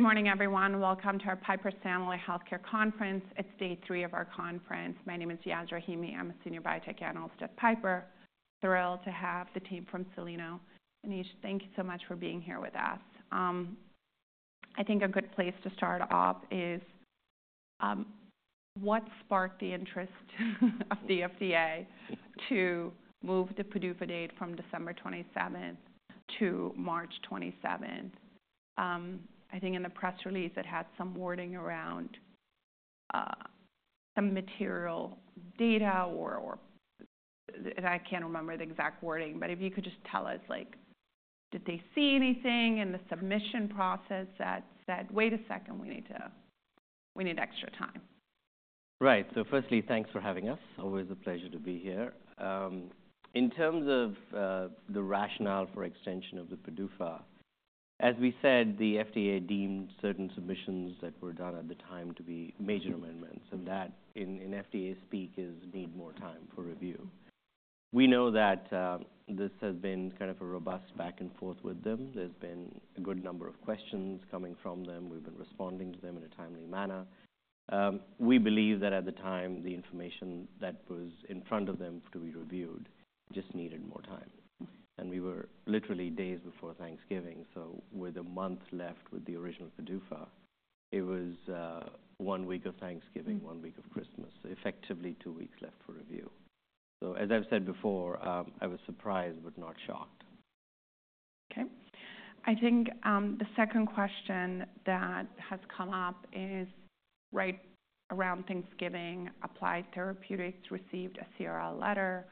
Good morning, everyone. Welcome to our Piper Sandler Healthcare Conference. It's day three of our conference. My name is Yaz Rahimi. I'm a senior biotech analyst at Piper. Thrilled to have the team from Soleno. Anish, thank you so much for being here with us. I think a good place to start off is what sparked the interest of the FDA to move the PDUFA date from December 27 to March 27. I think in the press release, it had some wording around some material data or I can't remember the exact wording, but if you could just tell us, did they see anything in the submission process that said, "Wait a second, we need extra time"? Right. So firstly, thanks for having us. Always a pleasure to be here. In terms of the rationale for extension of the PDUFA, as we said, the FDA deemed certain submissions that were done at the time to be major amendments. And that in FDA speak is need more time for review. We know that this has been kind of a robust back and forth with them. There's been a good number of questions coming from them. We've been responding to them in a timely manner. We believe that at the time, the information that was in front of them to be reviewed just needed more time. And we were literally days before Thanksgiving. So with a month left with the original PDUFA, it was one week of Thanksgiving, one week of Christmas, effectively two weeks left for review. So as I've said before, I was surprised, but not shocked. Okay. I think the second question that has come up is right around Thanksgiving, Applied Therapeutics received a CRL letter,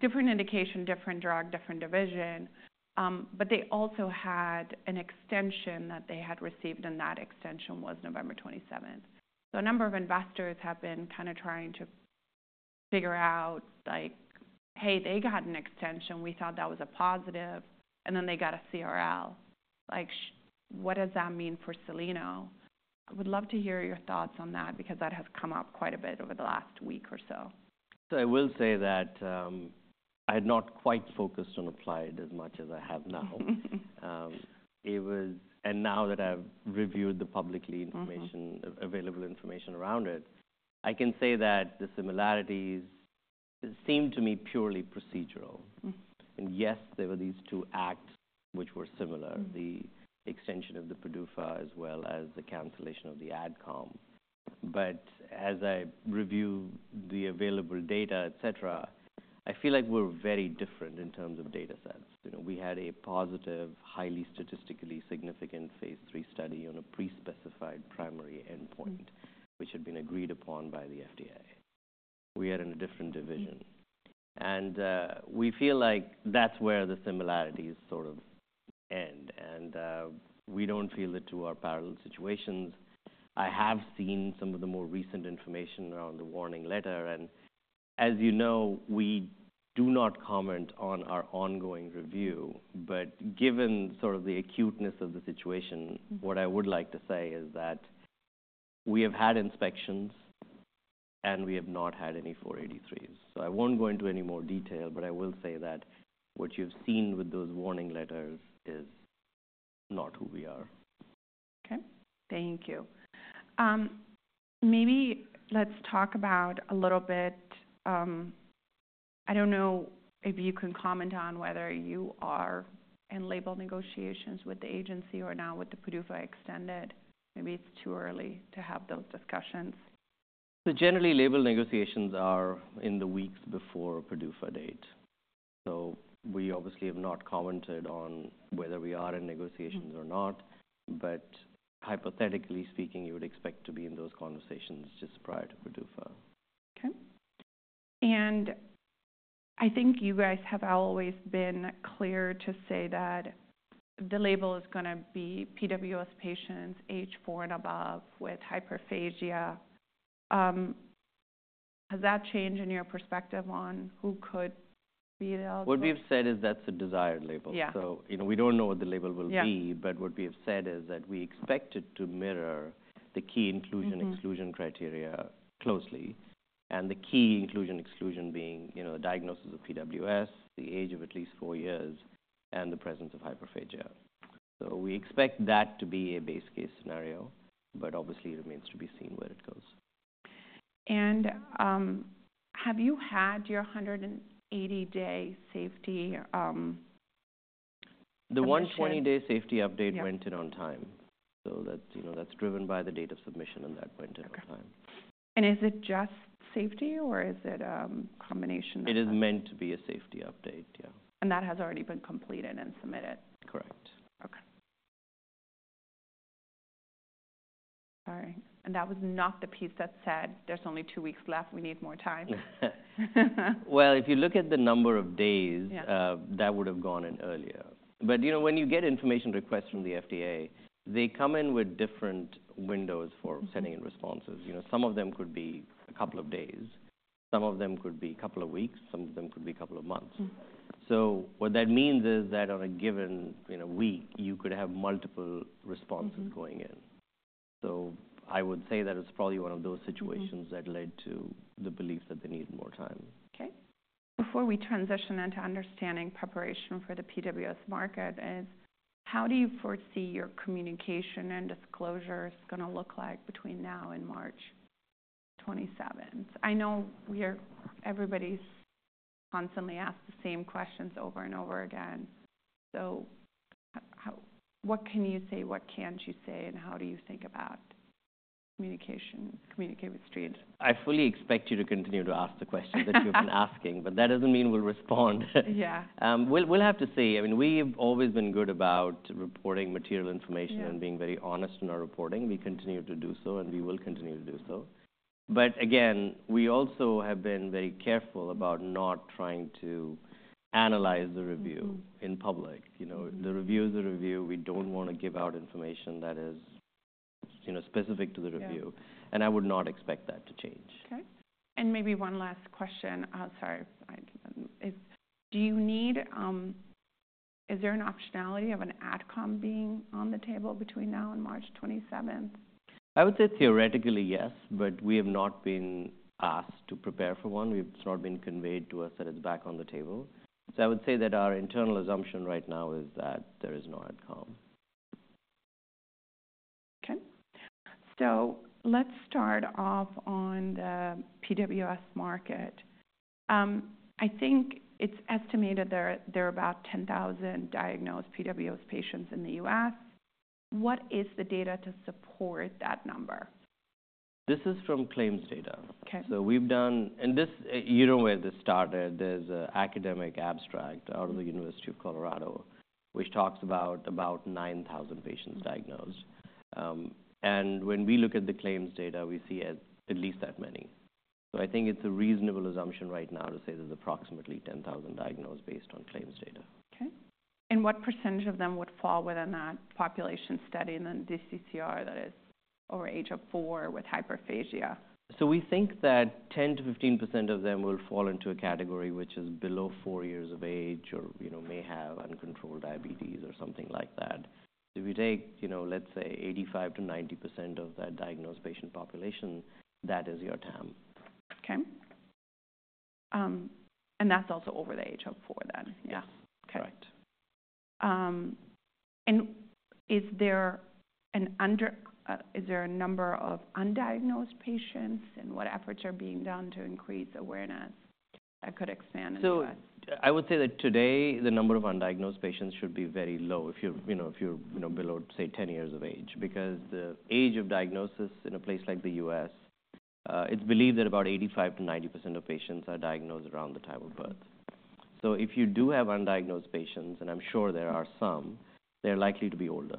different indication, different drug, different division, but they also had an extension that they had received, and that extension was November 27. So a number of investors have been kind of trying to figure out, like, "Hey, they got an extension. We thought that was a positive, and then they got a CRL." What does that mean for Soleno? I would love to hear your thoughts on that because that has come up quite a bit over the last week or so. I will say that I had not quite focused on Applied as much as I have now. Now that I've reviewed the publicly available information around it, I can say that the similarities seem to me purely procedural. Yes, there were these two acts which were similar, the extension of the PDUFA as well as the cancellation of the Adcom. As I review the available data, et cetera, I feel like we're very different in terms of data sets. We had a positive, highly statistically significant phase three study on a pre-specified primary endpoint, which had been agreed upon by the FDA. We are in a different division. We feel like that's where the similarities sort of end. We don't feel it to our parallel situations. I have seen some of the more recent information around the warning letter. As you know, we do not comment on our ongoing review. Given sort of the acuteness of the situation, what I would like to say is that we have had inspections, and we have not had any 483s. I won't go into any more detail, but I will say that what you've seen with those warning letters is not who we are. Okay. Thank you. Maybe let's talk about a little bit. I don't know if you can comment on whether you are in label negotiations with the agency or now with the PDUFA extended. Maybe it's too early to have those discussions. So generally, label negotiations are in the weeks before PDUFA date. So we obviously have not commented on whether we are in negotiations or not. But hypothetically speaking, you would expect to be in those conversations just prior to PDUFA. Okay. And I think you guys have always been clear to say that the label is going to be PWS patients age four and above with hyperphagia. Has that changed in your perspective on who could be the label? What we've said is that's a desired label, so we don't know what the label will be, but what we have said is that we expect it to mirror the key inclusion/exclusion criteria closely, and the key inclusion/exclusion being the diagnosis of PWS, the age of at least four years, and the presence of hyperphagia, so we expect that to be a base case scenario, but obviously it remains to be seen where it goes. Have you had your 180-day safety? The 120-Day Safety Update went in on time. That's driven by the date of submission, and that went in on time. Okay. And is it just safety, or is it a combination of? It is meant to be a safety update, yeah. That has already been completed and submitted? Correct. Okay. All right. And that was not the piece that said, "There's only two weeks left. We need more time. If you look at the number of days, that would have gone in earlier. But when you get information requests from the FDA, they come in with different windows for sending in responses. Some of them could be a couple of days. Some of them could be a couple of weeks. Some of them could be a couple of months. So what that means is that on a given week, you could have multiple responses going in. So I would say that it's probably one of those situations that led to the belief that they need more time. Okay. Before we transition into understanding preparation for the PWS market, how do you foresee your communication and disclosure is going to look like between now and March 27? I know everybody's constantly asked the same questions over and over again. So what can you say, what can't you say, and how do you think about communicating with the Street? I fully expect you to continue to ask the questions that you've been asking, but that doesn't mean we'll respond. Yeah. We'll have to see. I mean, we've always been good about reporting material information and being very honest in our reporting. We continue to do so, and we will continue to do so. But again, we also have been very careful about not trying to analyze the review in public. The review is a review. We don't want to give out information that is specific to the review. And I would not expect that to change. Okay. And maybe one last question. Sorry. Do you know is there an optionality of an Adcom being on the table between now and March 27? I would say theoretically, yes, but we have not been asked to prepare for one. It's not been conveyed to us that it's back on the table. So I would say that our internal assumption right now is that there is no Adcom. Okay. So let's start off on the PWS market. I think it's estimated there are about 10,000 diagnosed PWS patients in the U.S. What is the data to support that number? This is from claims data, so we've done, and you know where this started. There's an academic abstract out of the University of Colorado, which talks about 9,000 patients diagnosed, and when we look at the claims data, we see at least that many, so I think it's a reasonable assumption right now to say there's approximately 10,000 diagnosed based on claims data. Okay. And what percentage of them would fall within that population study and then DCCR that is over age of four with hyperphagia? So we think that 10%-15% of them will fall into a category which is below four years of age or may have uncontrolled diabetes or something like that. If you take, let's say, 85%-90% of that diagnosed patient population, that is your TAM. Okay. And that's also over the age of four then, yeah? Yeah. Correct. Is there a number of undiagnosed patients, and what efforts are being done to increase awareness? I could expand into that. So I would say that today, the number of undiagnosed patients should be very low if you're below, say, 10 years of age because the age of diagnosis in a place like the U.S., it's believed that about 85%-90% of patients are diagnosed around the time of birth. So if you do have undiagnosed patients, and I'm sure there are some, they're likely to be older.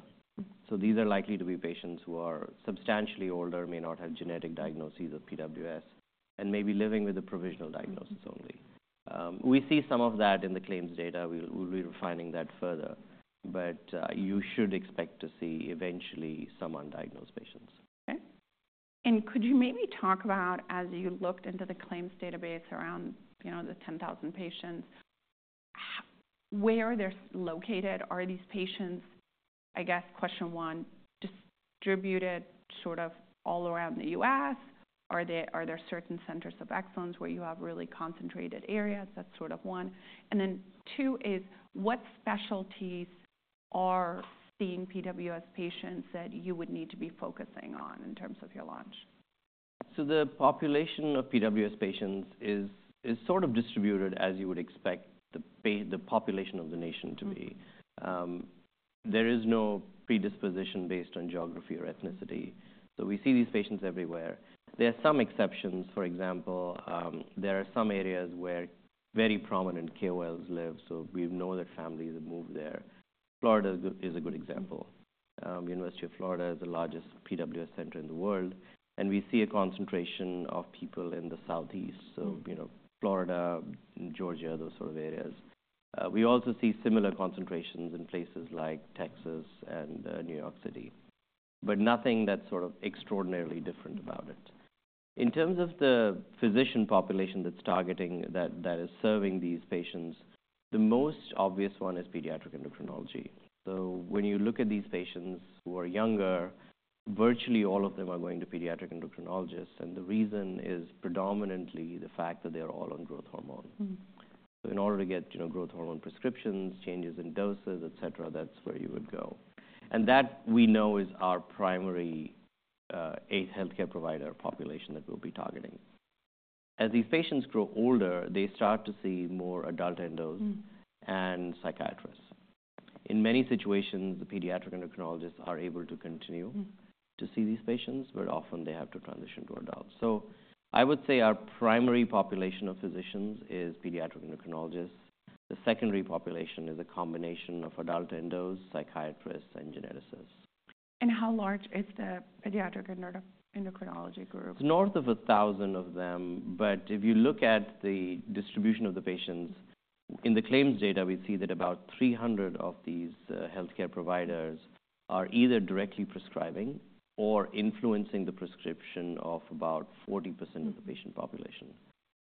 So these are likely to be patients who are substantially older, may not have genetic diagnoses of PWS, and may be living with a provisional diagnosis only. We see some of that in the claims data. We'll be refining that further. But you should expect to see eventually some undiagnosed patients. Okay. And could you maybe talk about, as you looked into the claims database around the 10,000 patients, where they're located? Are these patients, I guess, question one, distributed sort of all around the U.S.? Are there certain centers of excellence where you have really concentrated areas? That's sort of one. And then two is, what specialties are seeing PWS patients that you would need to be focusing on in terms of your launch? So the population of PWS patients is sort of distributed, as you would expect the population of the nation to be. There is no predisposition based on geography or ethnicity. So we see these patients everywhere. There are some exceptions. For example, there are some areas where very prominent KOLs live. So we know that families have moved there. Florida is a good example. The University of Florida is the largest PWS center in the world. And we see a concentration of people in the Southeast, so Florida, Georgia, those sort of areas. We also see similar concentrations in places like Texas and New York City, but nothing that's sort of extraordinarily different about it. In terms of the physician population that's targeting that is serving these patients, the most obvious one is pediatric endocrinology. When you look at these patients who are younger, virtually all of them are going to pediatric endocrinologists. The reason is predominantly the fact that they are all on growth hormone. In order to get growth hormone prescriptions, changes in doses, et cetera, that's where you would go. That we know is our primary healthcare provider population that we'll be targeting. As these patients grow older, they start to see more adult endos and psychiatrists. In many situations, the pediatric endocrinologists are able to continue to see these patients, but often they have to transition to adults. I would say our primary population of physicians is pediatric endocrinologists. The secondary population is a combination of adult endos, psychiatrists, and geneticists. How large is the pediatric endocrinology group? It's north of 1,000 of them. But if you look at the distribution of the patients, in the claims data, we see that about 300 of these healthcare providers are either directly prescribing or influencing the prescription of about 40% of the patient population.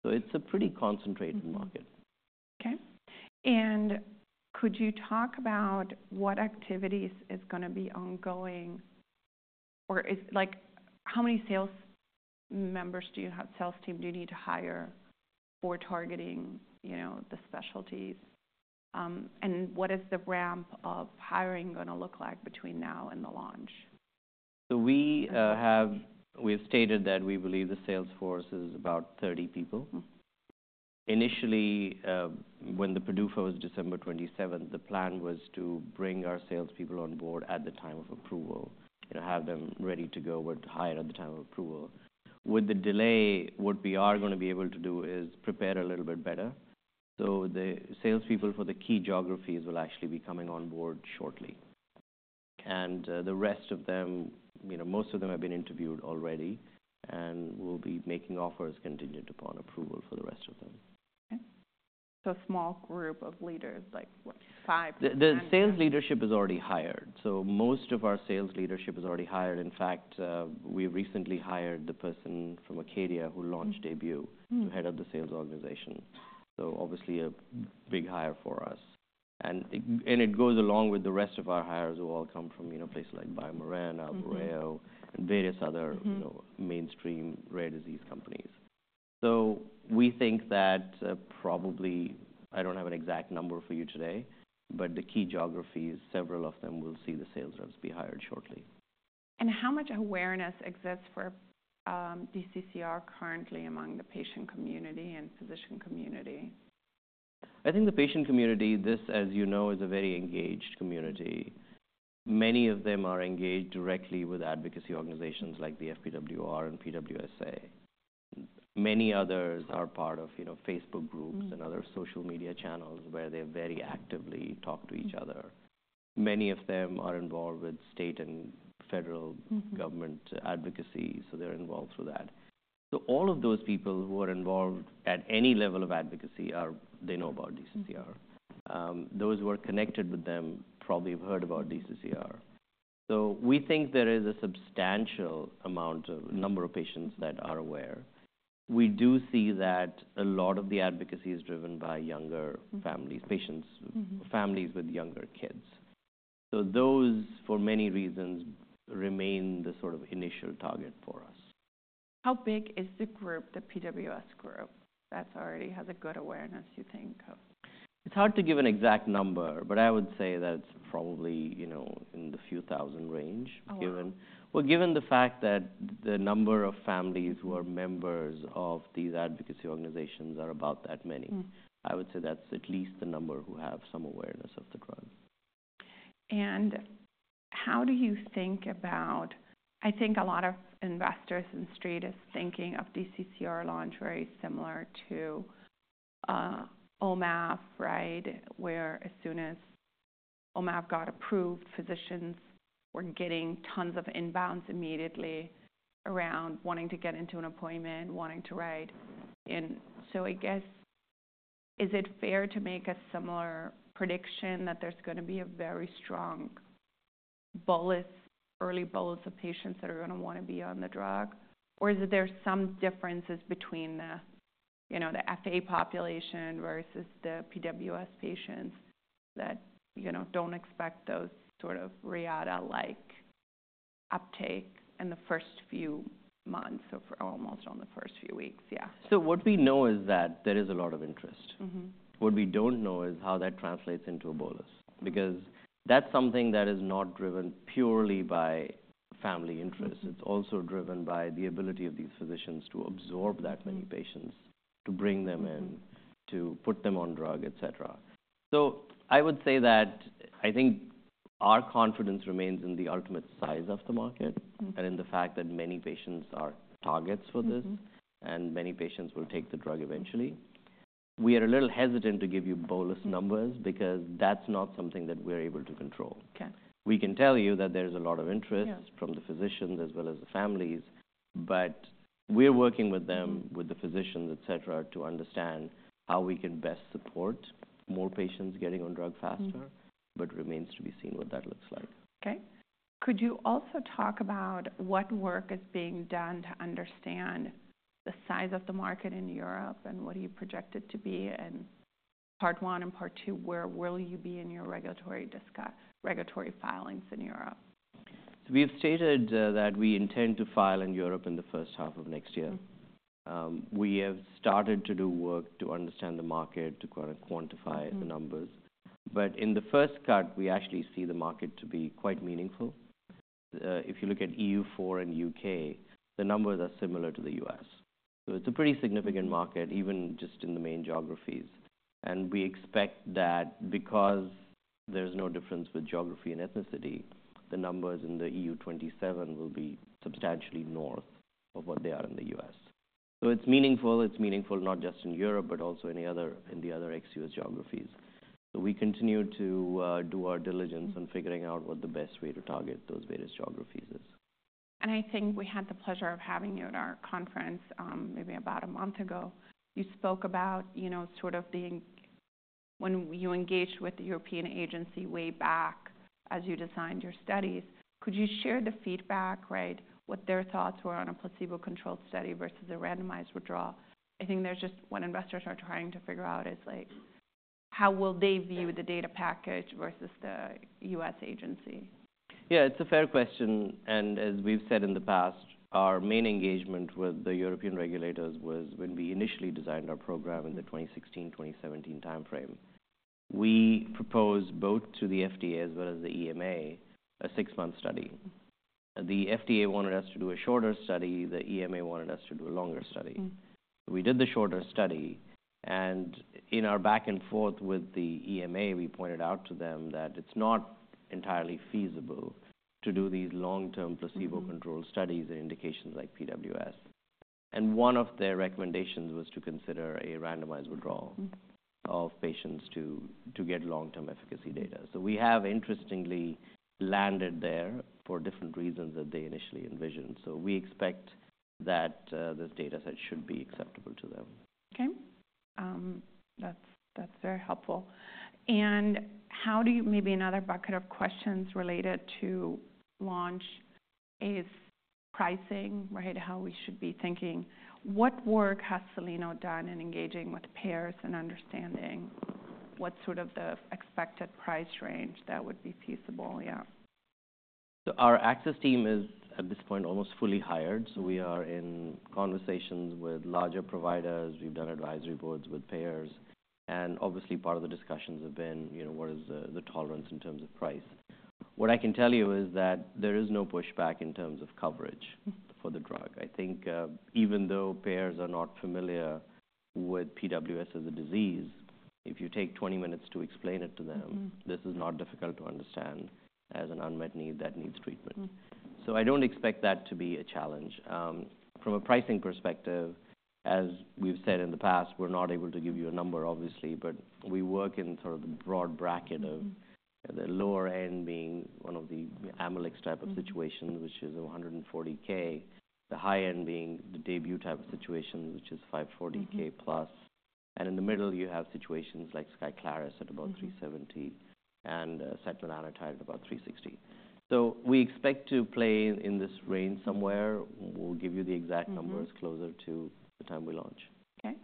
So it's a pretty concentrated market. Okay. And could you talk about what activities is going to be ongoing? Or how many sales members do you have? Sales team do you need to hire for targeting the specialties? And what is the ramp of hiring going to look like between now and the launch? We have stated that we believe the sales force is about 30 people. Initially, when the PDUFA was December 27, the plan was to bring our salespeople on board at the time of approval, have them ready to go with hire at the time of approval. With the delay, what we are going to be able to do is prepare a little bit better. So the salespeople for the key geographies will actually be coming on board shortly. And the rest of them, most of them have been interviewed already and will be making offers contingent upon approval for the rest of them. Okay, so a small group of leaders, like five? The sales leadership is already hired. Most of our sales leadership is already hired. In fact, we recently hired the person from Acadia who launched DAYBUE to head up the sales organization. Obviously a big hire for us. It goes along with the rest of our hires who all come from places like BioMarin, Albireo, and various other mainstream rare disease companies. We think that probably I don't have an exact number for you today, but the key geographies, several of them will see the sales reps be hired shortly. How much awareness exists for DCCR currently among the patient community and physician community? I think the patient community, this, as you know, is a very engaged community. Many of them are engaged directly with advocacy organizations like the FPWR and PWSA. Many others are part of Facebook groups and other social media channels where they very actively talk to each other. Many of them are involved with state and federal government advocacy, so they're involved through that. So all of those people who are involved at any level of advocacy, they know about DCCR. Those who are connected with them probably have heard about DCCR. So we think there is a substantial number of patients that are aware. We do see that a lot of the advocacy is driven by younger families, patients, families with younger kids. So those, for many reasons, remain the sort of initial target for us. How big is the group, the PWS group, that already has a good awareness, you think? It's hard to give an exact number, but I would say that it's probably in the few thousand range. Given the fact that the number of families who are members of these advocacy organizations are about that many, I would say that's at least the number who have some awareness of the drug. And how do you think about? I think a lot of investors in Street thinking of DCCR launch very similar to Omav, right, where as soon as Omav got approved, physicians were getting tons of inbounds immediately around wanting to get into an appointment, wanting to write. And so I guess, is it fair to make a similar prediction that there's going to be a very strong early bolus of patients that are going to want to be on the drug? Or is there some differences between the FA population versus the PWS patients that don't expect those sort of Reata-like uptake in the first few months or almost on the first few weeks, yeah? What we know is that there is a lot of interest. What we don't know is how that translates into a bolus because that's something that is not driven purely by family interest. It's also driven by the ability of these physicians to absorb that many patients, to bring them in, to put them on drug, et cetera. I would say that I think our confidence remains in the ultimate size of the market and in the fact that many patients are targets for this and many patients will take the drug eventually. We are a little hesitant to give you bolus numbers because that's not something that we're able to control. We can tell you that there's a lot of interest from the physicians as well as the families, but we're working with them, with the physicians, et cetera, to understand how we can best support more patients getting on drug faster, but remains to be seen what that looks like. Okay. Could you also talk about what work is being done to understand the size of the market in Europe and what do you project it to be in part one and part two? Where will you be in your regulatory filings in Europe? We have stated that we intend to file in Europe in the first half of next year. We have started to do work to understand the market, to kind of quantify the numbers. In the first cut, we actually see the market to be quite meaningful. If you look at EU4 and U.K., the numbers are similar to the U.S. It's a pretty significant market, even just in the main geographies. We expect that because there's no difference with geography and ethnicity, the numbers in the EU27 will be substantially north of what they are in the U.S. It's meaningful. It's meaningful not just in Europe, but also in the other ex-U.S. geographies. We continue to do our diligence on figuring out what the best way to target those various geographies is. I think we had the pleasure of having you at our conference maybe about a month ago. You spoke about sort of when you engaged with the European agency way back as you designed your studies. Could you share the feedback, right, what their thoughts were on a placebo-controlled study versus a randomized withdrawal? I think there's just what investors are trying to figure out is how will they view the data package versus the U.S. agency? Yeah, it's a fair question, and as we've said in the past, our main engagement with the European regulators was when we initially designed our program in the 2016, 2017 timeframe. We proposed both to the FDA as well as the EMA a six-month study. The FDA wanted us to do a shorter study. The EMA wanted us to do a longer study. We did the shorter study, and in our back and forth with the EMA, we pointed out to them that it's not entirely feasible to do these long-term placebo-controlled studies in indications like PWS. And one of their recommendations was to consider a randomized withdrawal of patients to get long-term efficacy data, so we have interestingly landed there for different reasons that they initially envisioned, so we expect that this data set should be acceptable to them. Okay. That's very helpful. And maybe another bucket of questions related to launch is pricing, right, how we should be thinking. What work has Soleno done in engaging with payers and understanding what sort of the expected price range that would be feasible, yeah? So our access team is at this point almost fully hired. So we are in conversations with larger providers. We've done advisory boards with payers. And obviously, part of the discussions have been what is the tolerance in terms of price. What I can tell you is that there is no pushback in terms of coverage for the drug. I think even though payers are not familiar with PWS as a disease, if you take 20 minutes to explain it to them, this is not difficult to understand as an unmet need that needs treatment. So I don't expect that to be a challenge. From a pricing perspective, as we've said in the past, we're not able to give you a number, obviously, but we work in sort of the broad bracket of the lower end being one of the Amylyx type of situations, which is $140K, the high end being the DAYBUE type of situation, which is $540K plus, and in the middle, you have situations like SKYCLARYS at about $370K and setmelanotide at about $360K, so we expect to play in this range somewhere. We'll give you the exact numbers closer to the time we launch. Okay.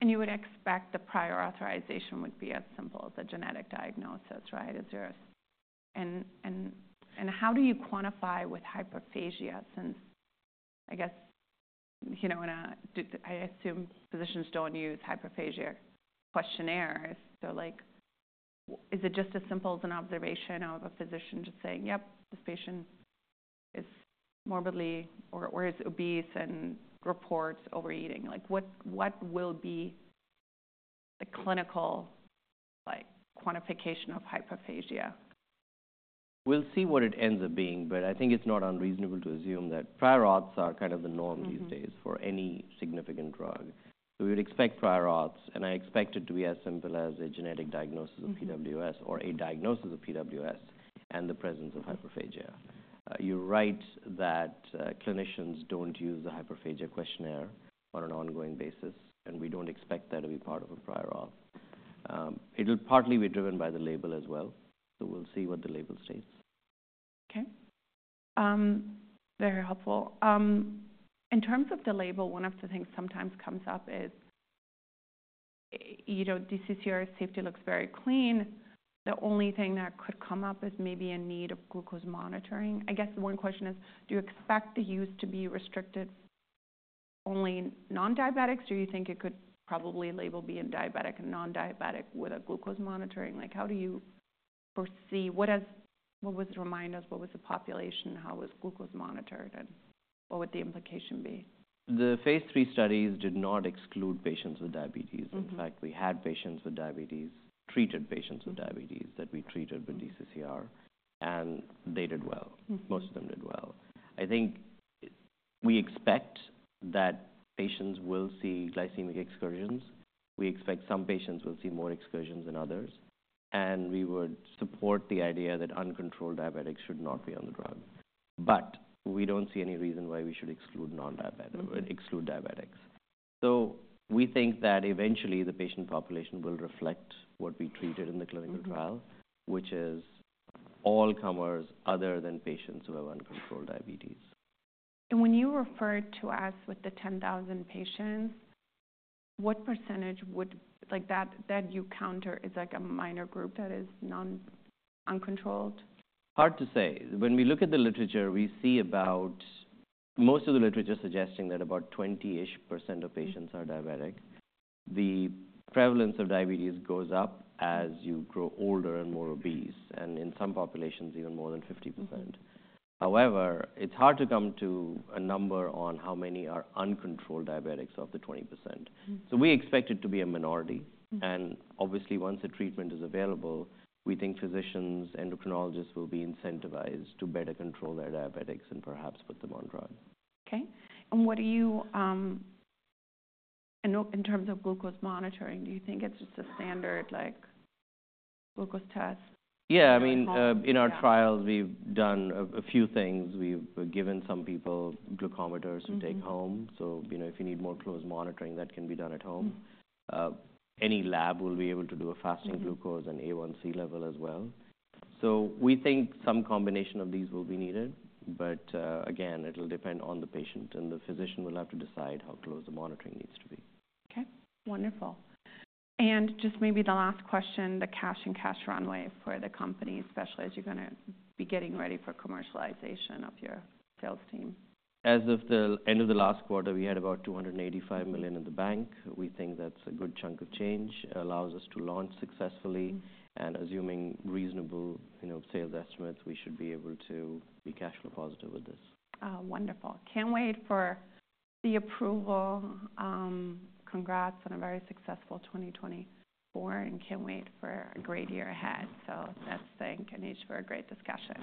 And you would expect the prior authorization would be as simple as a genetic diagnosis, right? And how do you quantify with hyperphagia since, I guess, I assume physicians don't use hyperphagia questionnaires. So is it just as simple as an observation of a physician just saying, "Yep, this patient is morbidly or is obese and reports overeating"? What will be the clinical quantification of hyperphagia? We'll see what it ends up being, but I think it's not unreasonable to assume that prior auths are kind of the norm these days for any significant drug. So we would expect prior auths, and I expect it to be as simple as a genetic diagnosis of PWS or a diagnosis of PWS and the presence of hyperphagia. You're right that clinicians don't use the hyperphagia questionnaire on an ongoing basis, and we don't expect that to be part of a prior auth. It'll partly be driven by the label as well. So we'll see what the label states. Okay. Very helpful. In terms of the label, one of the things that sometimes comes up is DCCR safety looks very clean. The only thing that could come up is maybe a need of glucose monitoring. I guess one question is, do you expect the use to be restricted to only non-diabetics? Do you think it could probably label being diabetic and non-diabetic with a glucose monitoring? How do you foresee? What was the reminders? What was the population? How was glucose monitored? And what would the implication be? The phase 3 studies did not exclude patients with diabetes. In fact, we had patients with diabetes, treated patients with diabetes that we treated with DCCR, and they did well. Most of them did well. I think we expect that patients will see glycemic excursions. We expect some patients will see more excursions than others, and we would support the idea that uncontrolled diabetics should not be on the drug, but we don't see any reason why we should exclude diabetics, so we think that eventually the patient population will reflect what we treated in the clinical trial, which is all comers other than patients who have uncontrolled diabetes. When you refer to the U.S. with the 10,000 patients, what percentage would you count as like a minor group that is uncontrolled? Hard to say. When we look at the literature, we see about most of the literature suggesting that about 20-ish% of patients are diabetic. The prevalence of diabetes goes up as you grow older and more obese, and in some populations, even more than 50%. However, it's hard to come to a number on how many are uncontrolled diabetics of the 20%. So we expect it to be a minority. And obviously, once the treatment is available, we think physicians, endocrinologists will be incentivized to better control their diabetics and perhaps put them on drug. Okay. And what do you do in terms of glucose monitoring? Do you think it's just a standard glucose test? Yeah. I mean, in our trials, we've done a few things. We've given some people glucometers to take home. So if you need more close monitoring, that can be done at home. Any lab will be able to do a fasting glucose and A1C level as well. So we think some combination of these will be needed. But again, it'll depend on the patient, and the physician will have to decide how close the monitoring needs to be. Okay. Wonderful. And just maybe the last question, the cash and cash runway for the company, especially as you're going to be getting ready for commercialization of your sales team? As of the end of the last quarter, we had about $285 million in the bank. We think that's a good chunk of change. It allows us to launch successfully. Assuming reasonable sales estimates, we should be able to be cash flow positive with this. Wonderful. Can't wait for the approval. Congrats on a very successful 2024, and can't wait for a great year ahead. So that's, I think, a need for a great discussion.